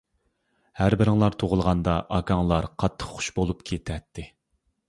ھەر بىرىڭلار تۇغۇلغاندا ئاكاڭلار قاتتىق خۇش بولۇپ كېتەتتى.